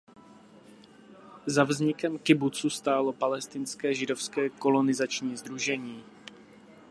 Za vznikem kibucu stálo Palestinské židovské kolonizační sdružení.